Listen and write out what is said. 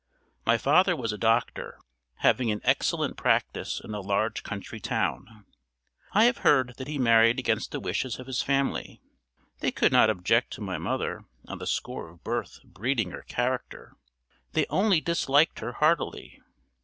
My father was a doctor, having an excellent practice in a large country town. I have heard that he married against the wishes of his family. They could not object to my mother on the score of birth, breeding, or character they only disliked her heartily.